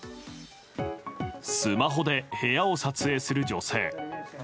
スマホで部屋を撮影する女性。